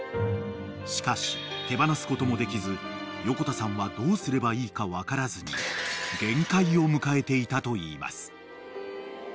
［しかし手放すこともできず横田さんはどうすればいいか分からずに限界を迎えていたといいます］